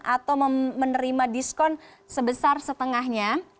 atau menerima diskon sebesar setengahnya